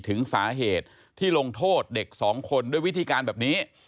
ถึงสาเหตุที่ลงโทษเด็กสองคนด้วยวิธีการแบบนี้